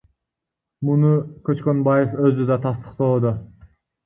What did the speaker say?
Муну Көчкөнбаев өзү да тастыктоодо.